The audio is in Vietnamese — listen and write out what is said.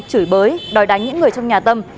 chửi bới đòi đánh những người trong nhà tâm